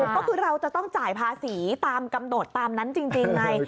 ก็คือเราจะต้องจ่ายภาษีตามกำหนดตามนั้นจริงไง